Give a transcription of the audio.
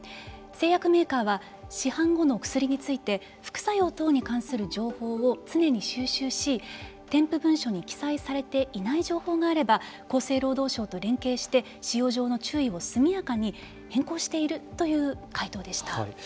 製薬メーカーは市販後の薬について副作用等に関する情報を常に収集し添付文書に記載されていないものがあれば厚生労働省と連携して使用上の注意を速やかに変更しているという回答でした。